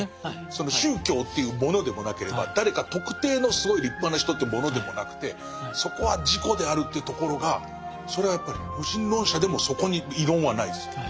その宗教というものでもなければ誰か特定のすごい立派な人ってものでもなくてそこは自己であるというところがそれはやっぱり無神論者でもそこに異論はないです。